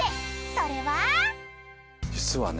それは］実はね